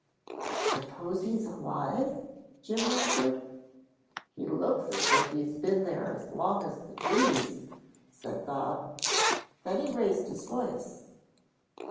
"Suppose he's alive?" Jim whispered. "He looks as if he'd been there as long as the trees," said Bob, then he raised his voice.